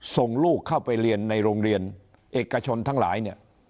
ส่งลูกเข้าไปเรียนในโรงเรียนเอกชนทั้งหลายเนี่ย